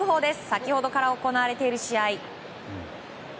先ほどから行われている試合。